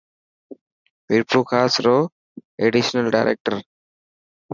مير پور خاص رو ايڊيشنل ڊائريڪٽر.